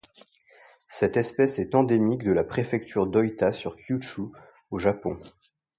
Cette espèce est endémique de la préfecture d'Ōita sur Kyūshū au Japon.